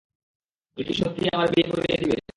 উনি সত্যিই কি আমার বিয়ে করিয়ে দিবে?